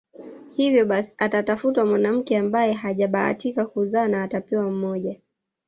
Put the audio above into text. Hivyo basi atatafutwa mwanamke ambaye hajabahatika kuzaa na atapewa mmoja